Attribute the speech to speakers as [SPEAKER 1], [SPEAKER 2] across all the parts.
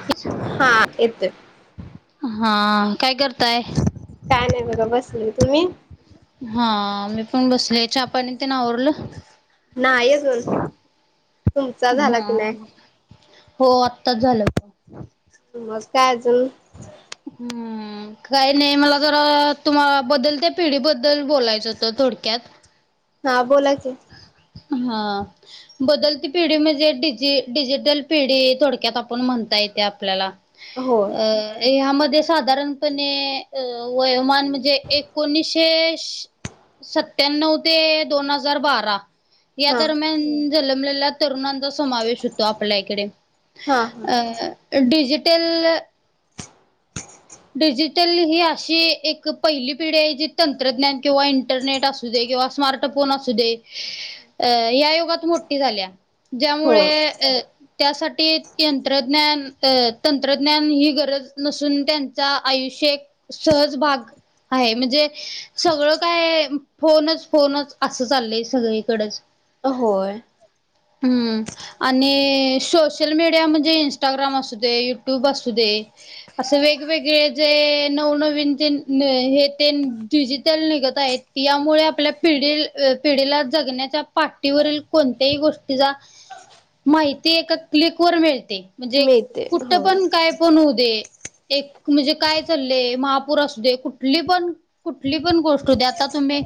[SPEAKER 1] [inaudible]
[SPEAKER 2] हा येतोय.
[SPEAKER 1] हा काय करताय.
[SPEAKER 2] काय नाही बघा बसले तुम्ही?
[SPEAKER 1] हा मी पण बसले चा पाणी तेन आवरलं?
[SPEAKER 2] नाही अजून तुमचा झाला की
[SPEAKER 1] हा
[SPEAKER 2] नाही?
[SPEAKER 1] हो आत्ताच झालं. [inaudible]
[SPEAKER 2] मग काय अजून
[SPEAKER 1] हम्म काही नाही मला जरा तुम्हा बदल त्या पिढी बद्दल बोलायचं होत थोडक्यात.
[SPEAKER 2] हा बोलाकी.
[SPEAKER 1] हा. बदलती पिढी म्हणजे डिज डिजिटल पिढी थोडक्यात आपण म्हणता येते आपल्याला.
[SPEAKER 2] होय
[SPEAKER 1] अ ह्यामध्ये साधारणपणे वयोमान म्हणजे एकोणीशे सत्याण्णव ते दोन हजार बारा या
[SPEAKER 2] हा
[SPEAKER 1] दरम्यान जन्मलेला तरुणचा सवेश होत आपल्या इकडे
[SPEAKER 2] हा हा
[SPEAKER 1] डिजिटल डिजिटल ही अशी एक पहिली पिढी आहे जी तंत्रज्ञान किंवा इंटरनेट असू दे किंवा स्मार्ट फोन असूदे या युगात मोठी झाल्या
[SPEAKER 2] हो
[SPEAKER 1] ज्यामुळे त्यासाठी तंत्रज्ञान तंत्रज्ञान ही गरज नसून त्यां आयुष्य सहज भाग आहे म्हणजे सगळं काय फोनच फोनच असं चाललंय सगळीकडेच.
[SPEAKER 2] अ होय.
[SPEAKER 1] हम्म आणि सोशल मीडिया म्हणजे इंस्टाग्राम असू दे युट्यूब असू दे असं वे वेगवेगळे जे नवनवीन जे हे ते डिजिटल निघत आहेत. यामुळे आपल्या पिढी पिढीला जगण्याच्या पाठीवरील कोणत्याही गोष्टीचा माहिती एका क्लिक वर मिळते म्हणजे
[SPEAKER 2] मिळते
[SPEAKER 1] कुठ
[SPEAKER 2] होय
[SPEAKER 1] पण काय पण होऊ दे. एक म्हणजे काय चाललेय महापूर असू दे कुठली पण कुठली पण गोष्ट होते आता तुम्ही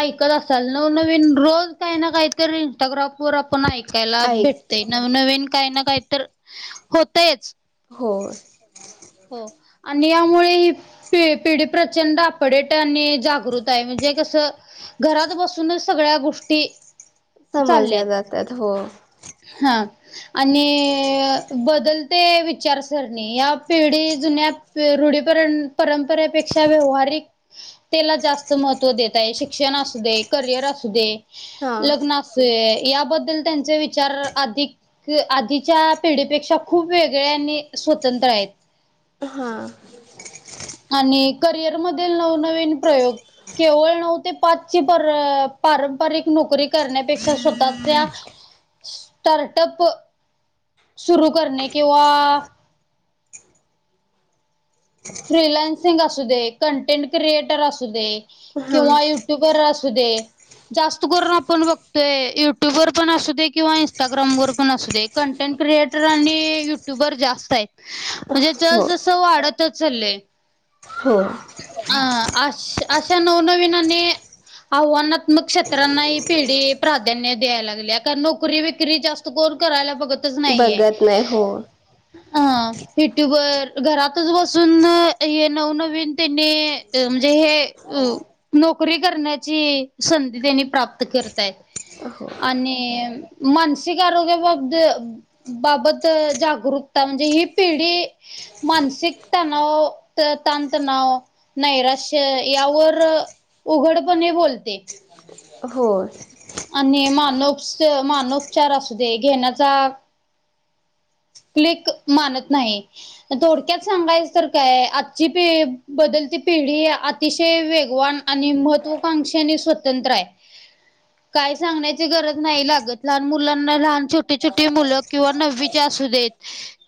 [SPEAKER 1] ऐकत असाल नवनवीन रोज काही ना काहीत इंस्टाग्रामवर आपण ऐकायला
[SPEAKER 2] ऐकतो
[SPEAKER 1] भेटते. नवनवीन काही ना काही तर होतयच.
[SPEAKER 2] हो.
[SPEAKER 1] हो आणि यामुळे प पिढी प्रचंड आपडेट आणि जागृत आहे म्हणजे कसं घरात बसूनच सगळ्या गोष्टी
[SPEAKER 2] समजल्या जातात, हो.
[SPEAKER 1] हां आणि बदलते विचारसरणी या पिढी जुन्या रूढी परे परंपरेपेक्षा व्यवहारिक त्याला जास्त महत्त्व देत आहे. शिक्षण असू दे, करिअर असू दे
[SPEAKER 2] हा
[SPEAKER 1] लग्न अस याबद्दल त्यांचे विचार अधिक आधीच्या पिढीपेक्षा खूप वेगळे् आणि स्वतंत्र आहेत.
[SPEAKER 2] हा.
[SPEAKER 1] आणि करिअर मधील नवनवीन प्रयोग केवळ नऊ ते पाचची पर पारंपरिक नोकरी करण्यापेक्षा स्वतःच्या स्टार्टअप सुरु करणे किंवा फ्रीलान्सिंग असू दे, कंटेंट क्रिएटर असू दे
[SPEAKER 2] हा
[SPEAKER 1] किंवा युट्युबर असू दे जास्त करून आपण बघतोय, युट्यूबर पण असू दे किवा इंस्टाग्राम वर पण असू दे. कंटेट क्रियएटर आणि यू ट्यूबर जास्त हायत. म्हणजे जसं
[SPEAKER 2] हो
[SPEAKER 1] जसं वाढत [unintelligible]
[SPEAKER 2] हो
[SPEAKER 1] अ- अश अशा नवनवीन आणि आव्हानात्मक क्षेत्रांना ही पिढी प्राधान्य द्याय लागल्या. कारण नोकरी बीक्री जास्त कोण करायलाच बघतच नाहीय.
[SPEAKER 2] बघत नाही हो
[SPEAKER 1] हा यू ट्यूब वर घरात घरात बसून हे नवनवीन त्यांनी म्हणजे हे अ नोकरी करण्याची संधी त्यांनी प्राप्त करताय.
[SPEAKER 2] हो
[SPEAKER 1] आणि मानसिक आरोग्याबाबद बाबत जागरूकता, म्हणजे ही पिढी मानसिक तनाव त ताणतणाव, नैराश्य यावर उघडपणे बोलते.
[SPEAKER 2] होय.
[SPEAKER 1] आणि मानोपच मानोपचार असू दे, घेण्याचा आपलेक मानत नाही. थोडक्यात सांगायचं तर काय, आजची पि बदलती पिढी अतिशय वेगवान आणि महत्त्वाकांक्षा आणि स्वातंत्रय. काही सांगण्याची गरज नाही लागत. लहान मुलांना लहान छोटी छोटी मुलं किंवा नववीच्या असुदेत.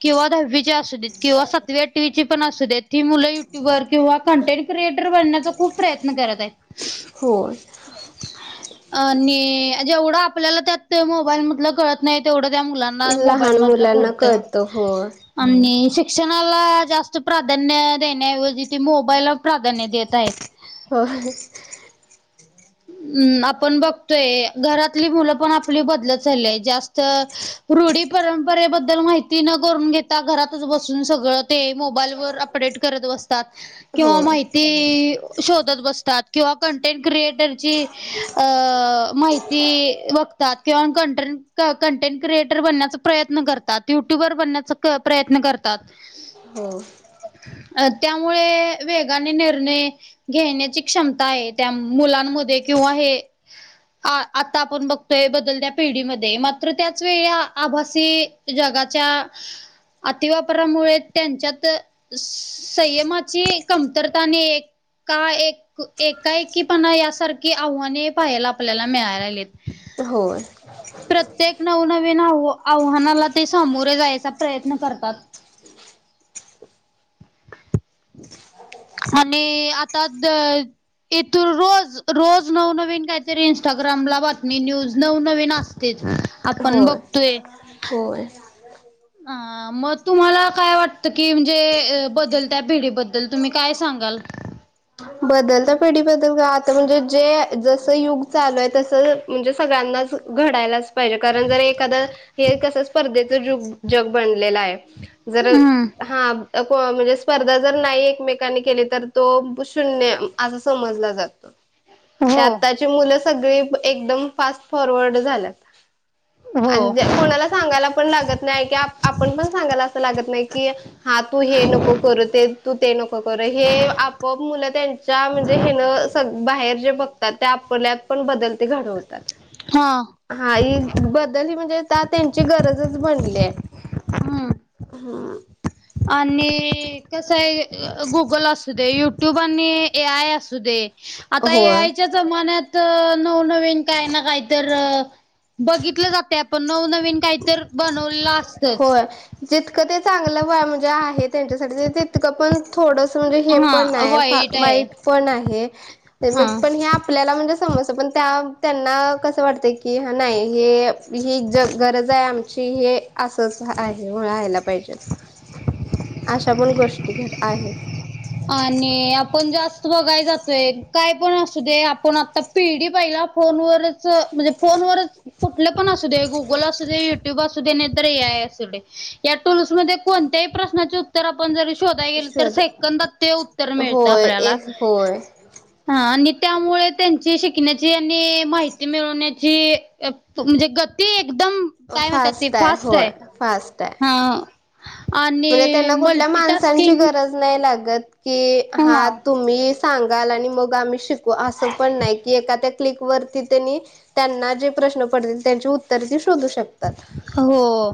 [SPEAKER 1] किंवा दहावीची असूेदेत किंवा सातवी आठवीची पण असूदेत ही मुलं युट्युबर किंवा कंटेंट क्रिएटर बनण्याचा खूप प्रयत्न करत आहेत.
[SPEAKER 2] हो.
[SPEAKER 1] हो. आणि जेवढं आपल्याला त्यात मोबाईल मधलं कळत नाही तेवढं त्या मुलांना मोबाईल
[SPEAKER 2] लहान मुलांना कळतं होय
[SPEAKER 1] [inaudible] आणि शिक्षणाला जास्त प्राधान्य देण्याऐवजी, ते मोबाईलला प्राधान्य देत आहेत.
[SPEAKER 2] होय.
[SPEAKER 1] हम्! आपण बघतोय घरातली मुलं पण आपली बदलत चालीय जास्त रुढी परंपरेबद्दल माहिती न करून घेता, घरातच बसून सगळं ते मोबाईलवर अपडेट करत बसतात, किंवा
[SPEAKER 2] होय
[SPEAKER 1] माहिती शोधत बसतात, किंवा कंटेंट क्रिएट क्रिएटरची माहिती बघतात. किंवा कंटेंट क्रिएट. कंटेंट क्रिएटर बनण्याचा प्रयत्न करतात, युट्युबर बनण्याचा प्रयत्न करतात.
[SPEAKER 2] हो.
[SPEAKER 1] अ त्यामुळे वेगाने निर्णय घेण्याची क्षमता आहे, त्या मुलां मध्ये किंवा हे आता आपण बघतोय, बदलत्या पिढीमध्ये मात्र त्याच वेळी आभासी जगाच्या अतिवापरामुळे त्यांच्यात संयमाची कमतरताने एक का एक एकाएकीपणा यासारखी आव्हाने पाहायला आपल्याला मिळालेलेत.
[SPEAKER 2] हो.
[SPEAKER 1] प्रत्येक नवनवीन आव आव्हानाला ते सामोरे जायचा प्रयत्न करतात. आणि आता इथून रोज रोज नवनवीन काहीतरी इंस्टाग्राम ला बातमी न्यूज नवनवीन अस तेच आपण बघतोय.
[SPEAKER 2] हो.
[SPEAKER 1] ह. मग तुम्हाला काय वाटतं की म्हणजे बदलत भिढीबद्दल तुम्ही काय सांगाल
[SPEAKER 2] बदलत्या पिढीबद्दल का आता म्हणजे जे जसं युग चालू आहे तसं म्हणजे सगळ्यांनाच घडायलाच पाहिजे कारण जर एखादं हे कसं स्पर्धेचं जग जग बनलेलं आहे. जर
[SPEAKER 1] हम्म
[SPEAKER 2] हा म्हणजे स्पर्धा जर नाही एकमेकनी केली तर तो असं समजलं जातं ते
[SPEAKER 1] हो.
[SPEAKER 2] आत्ताची मुलं सगळे एकदम फास्ट फॉरवर्ड झालेत
[SPEAKER 1] हो
[SPEAKER 2] आणि कोणालाच सांगायला पण लागत नाही की आपण पण सांगायला असं लागत नाही की हा तू हे नको कर ते तू ते नको कर हे अप ओप मुला त्यांच्या म्हणजे हेन सग बाहेर जे बघतात ते आपल्यात पण बदलते घडवतात.
[SPEAKER 1] हा
[SPEAKER 2] हा ह बदल ह म्हणजे त्यांची गरजच बनलीय
[SPEAKER 1] हम्म.
[SPEAKER 2] हा.
[SPEAKER 1] आणि कसं आहे गुगल असू दे युट्यूब आणि ए आय असू दे आता
[SPEAKER 2] होय.
[SPEAKER 1] यायच्या जमान्यात नवनवीन काय ना काही तर बघितलं जाते आपण नवनवीन काहीत बनवलं असतच.
[SPEAKER 2] होय. जितकं ते चांगलं वय म्हणजे आहे त्यांच्यासाठी तितकं पण थोडस म्हणजे हे पण
[SPEAKER 1] हा
[SPEAKER 2] आहे फ
[SPEAKER 1] आहे
[SPEAKER 2] वाईट पण आहे.
[SPEAKER 1] हा
[SPEAKER 2] पण हे आपल्याला म्हणजे समज पण त्या त्यांना कसं वाटत की नाही हे ह जग गरज आहे आमची हे असंच आहे मुळयला पाहिजे. अशा पण गोष्टी घ आहेत.
[SPEAKER 1] आणि आपण जास्त बघाय जातोय काय पण असू दे आपण आता पिढी पहिला फोनवरच म्हणजे फोनवरच कुठलं पण असू दे गुगल असू दे य युट्यूब असुदे नाहीतर ये अय असू देतर या टूल्समध्ये कोणत्याही प्रश्चेर तर आपण जरी शोधा गेल तर
[SPEAKER 2] शोध
[SPEAKER 1] सेकंदात ते उत्तर मिळत
[SPEAKER 2] होय ए
[SPEAKER 1] आपल्याला
[SPEAKER 2] होय.
[SPEAKER 1] हा आणि त्यामुळे त्यांची शिकण्याची आणि माहिती मिळवण्याची म्हणजे गती एकदम काय म्हणतात ते फास्ट आहे
[SPEAKER 2] होय फास्ट आहे.
[SPEAKER 1] हा. आणि मल्टी टास्किंग
[SPEAKER 2] क हा तुम्ही सांगाल आणि मग आम श अस पण नाही की एखाद्या क्लिक वरती त्यांनी त्यांना जे प्रश्न पडतील त्यांची उत्तर त शोधू शकतात.
[SPEAKER 1] हो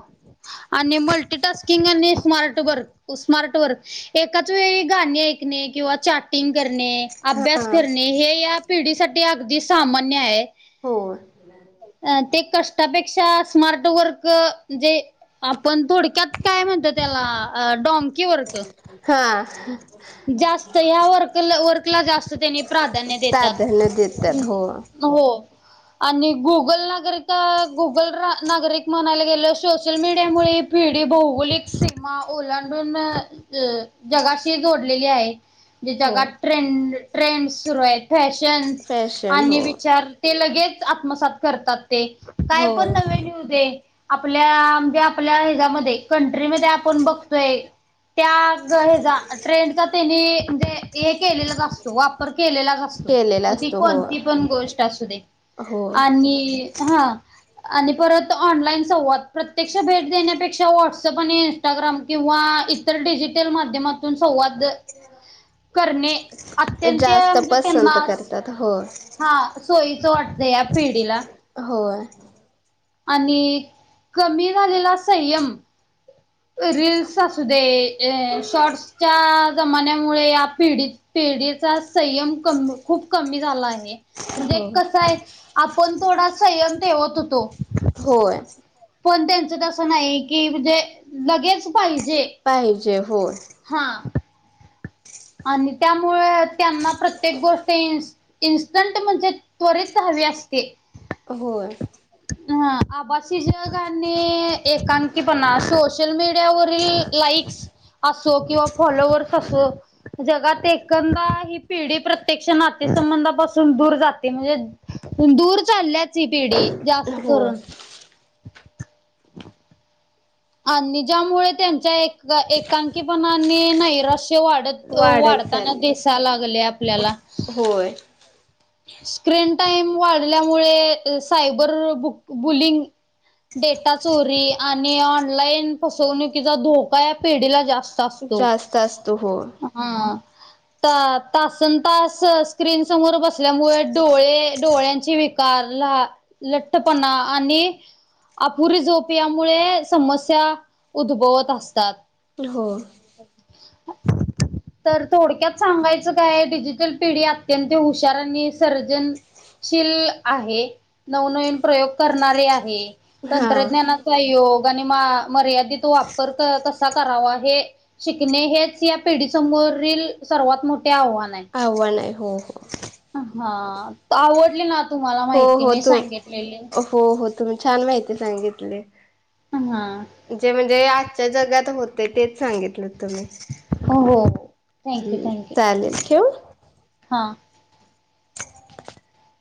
[SPEAKER 1] आणि मल्टी टास्किंग स्मार्ट बर स्मार्ट वर्क एकाच वेळी गाणी ऐकणे किंवा चाट चॅटिंग करणे अभ्यास
[SPEAKER 2] हा
[SPEAKER 1] करणे हे या पिढीसाठी अगदी सामान्य आहे.
[SPEAKER 2] हो.
[SPEAKER 1] अ ते कष्टापेक्षा स्मार्ट वर्क म्हणजे आपण थोडक्यात काय म्हणत त्याला ड की वर्क
[SPEAKER 2] हा
[SPEAKER 1] जास्त ह्या वर्क वर्कला जास्त त्यानी प्राधान्य देतात.
[SPEAKER 2] प्राधान्य देतात हो.
[SPEAKER 1] हो आणि गुगल नागरिक गुगल, नागरिक म्हणायला गेले. सोशल मीडियामुळे भीड ते भौगोलिक सीमा ओलांडून अ जगाशी जोडलेली आहे. जे
[SPEAKER 2] हो
[SPEAKER 1] जगात ट्रेंड, ट्रेंड सुरू आहेत फॅशन्
[SPEAKER 2] फॅशन
[SPEAKER 1] आणि
[SPEAKER 2] हो
[SPEAKER 1] विचार ते लगेच आत्मसात करतात ते काय
[SPEAKER 2] हो
[SPEAKER 1] पण नवे येउदे. आपल्या म्हणजे आपल्या हेच्यामध्ये कंट्रीमध्ये आपण बघतोय त्या हेचा ट्रेंडचा त्यांनी म्हणजे हे केलेलाच असतो वापर केलेलाच असतो
[SPEAKER 2] केलेला
[SPEAKER 1] मग ती
[SPEAKER 2] असतो
[SPEAKER 1] कोणती पण गोष्ट असू दे.
[SPEAKER 2] हो.
[SPEAKER 1] आणि हा आणि परत ऑनलाईन संवाद, प्रत्यक्ष भेट देण्यापेक्षा व्हॉट्सअप आणि इंस्टाग्राम किंवा इतर डिजिटल माध्यमातून संवाद [inaudible] करणे अत्यंत
[SPEAKER 2] जास्त
[SPEAKER 1] म्हणजे त्यांना
[SPEAKER 2] पसंत
[SPEAKER 1] अस
[SPEAKER 2] करतात होय
[SPEAKER 1] हा सोयीचं वाटतं या पिढीला.
[SPEAKER 2] होय.
[SPEAKER 1] आणि कमी झालेला संयम रीलस असू दे, शॉर्ट्सच्या जमान्यामुळे या पिढी पिढीचा संयम कम खूप कमी झाला आहे. म्हणजे
[SPEAKER 2] होय.
[SPEAKER 1] कस आहे आपण थोडा संयम ठेवत होतो.
[SPEAKER 2] होय.
[SPEAKER 1] पण त्यांच तसं नाही की म्हणजे लगेच पाहिजे.
[SPEAKER 2] पाहीजे हो.
[SPEAKER 1] हा. आणि त्यामुळे त्यांना प्रत्येक गोष्ट इन इन्स्टंट म्हणजे त्वरित हवी असते.
[SPEAKER 2] होय.
[SPEAKER 1] ह आभासी जग आणि एकांकी पणा सोशल मीडियावरील लाईक्स असो किंवा फॉलोवर्स असो जगात एकंदर ही पिढी प्रत्यक्ष नातेसंबंधापासून दूर जाते म्हणजे दूर चालल्याच ही पिढी जास्त करून.
[SPEAKER 2] होय.
[SPEAKER 1] आणि ज्यामुळे त्यांच्या एक-एकांकीपणाने नैराश्य वाढ त
[SPEAKER 2] वाढत
[SPEAKER 1] वाढताना
[SPEAKER 2] चाललंय.
[SPEAKER 1] दिसाय लागले आपल्याला.
[SPEAKER 2] होय.
[SPEAKER 1] स्क्रीन टाइम वाढल्यामुळे सायबर बु बुलिंग डेटा चोरी आणि ऑनलाईन फसवणुकीचा धोका या पिढीला जा
[SPEAKER 2] जास्त असतो हो.
[SPEAKER 1] हा ता तासन-तास स्क्रीन समोर बस असल्यामुळे डोळे, डोळ्यांचे विकार ला लठठपणा आणि अपुरी झोप यामुळे समस्या उद्भवत असतात.
[SPEAKER 2] हो.
[SPEAKER 1] [inaudible] तर थोडक्यात सांगायचं काय डिजिटल पिढी अत्यंत हु शार आणि सर्जन शिल आहे नवनवीन प्रयोग करणारी आहे.
[SPEAKER 2] हा
[SPEAKER 1] तंत्रज्ञानाचा योग आणि मा मर्यादित वापर कसा करावा हे शिकणे हेच या पिढीसमोरील सर्वात मोठे आव्हान आहे.
[SPEAKER 2] आव्हान आहे हो.
[SPEAKER 1] हा, आवडली ना तुम्हाला
[SPEAKER 2] हो
[SPEAKER 1] माहिती
[SPEAKER 2] हो
[SPEAKER 1] मी
[SPEAKER 2] तुम
[SPEAKER 1] सांगितलेली?
[SPEAKER 2] हो, हो तुम्ही छान माहिती सांगितली.
[SPEAKER 1] हा.
[SPEAKER 2] जे म्हणजे आजच्या जगात होते तेच सांगितलं तुम्ही.
[SPEAKER 1] हो हो
[SPEAKER 2] [inaudible] हम्म चालेल ठेवू?
[SPEAKER 1] हा.
[SPEAKER 2] [inaudible]